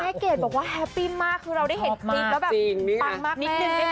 เกดบอกว่าแฮปปี้มากคือเราได้เห็นคลิปแล้วแบบปังมากนิดนึง